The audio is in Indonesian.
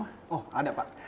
oh ada pak